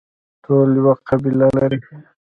ټول یوه قبله لري